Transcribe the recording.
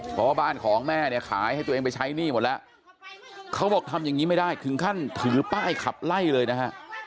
เพราะว่าบ้านของแม่เนี่ยขายให้ตัวเองไปใช้หนี้หมดแล้วเขาบอกทำอย่างนี้ไม่ได้ถึงขั้นถือป้ายขับไล่เลยนะฮะ